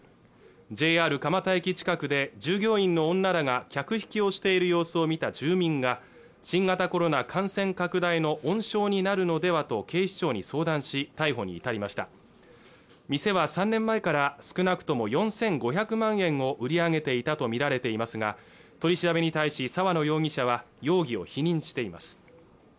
ＪＲ蒲田駅近くで従業員の女らが客引きをしている様子を見た住民が新型コロナ感染拡大の温床になるのではと警視庁に相談し逮捕に至りました店は３年前から少なくとも４５００万円を売り上げていたと見られていますが取り調べに対し沢野容疑者は容疑を否認しています